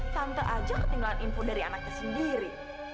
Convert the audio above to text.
tante aja ketinggalan input dari anaknya sendiri